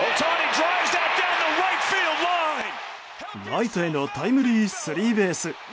ライトへのタイムリースリーベース！